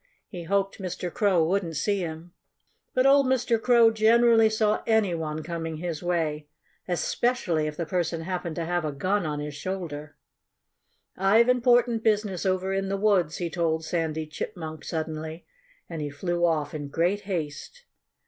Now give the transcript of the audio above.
He hoped Mr. Crow wouldn't see him. But old Mr. Crow generally saw any one coming his way especially if the person happened to have a gun on his shoulder. "I've important business over in the woods," he told Sandy Chipmunk suddenly. And he flew off in great haste.